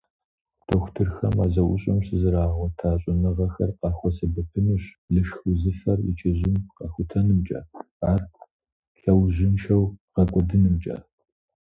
Дохутырхэм а зэӀущӀэм щызэрагъэгъуэта щӀэныгъэхэр къахуэсэбэпынущ лышх узыфэр и чэзум къэхутэнымкӀэ, ар лъэужьыншэу гъэкӀуэдынымкӀэ.